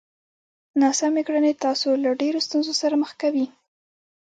ناسمې کړنې تاسو له ډېرو ستونزو سره مخ کوي!